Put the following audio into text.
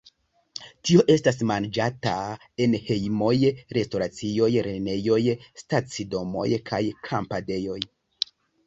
Tio estas manĝata en hejmoj, restoracioj, lernejoj, stacidomoj kaj kampadejoj.